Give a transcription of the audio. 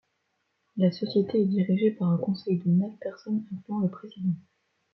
La société est dirigée par un conseil de neuf personnes incluant le président.